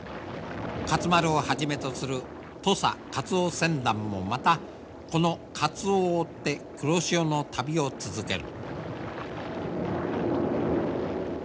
勝丸をはじめとする土佐カツオ船団もまたこのカツオを追って黒潮の旅を続ける。